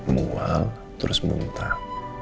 mual terus muntah